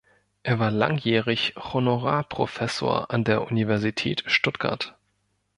Er war langjährig Honorarprofessor an der Universität Stuttgart.